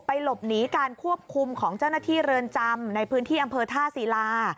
หลบหนีการควบคุมของเจ้าหน้าที่เรือนจำในพื้นที่อำเภอท่าศิลา